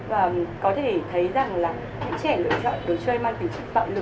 và có thể thấy rằng là những trẻ lựa chọn đồ chơi mang kính chức mạo lực